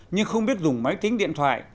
nhưng không biết dùng máy tính điện thoại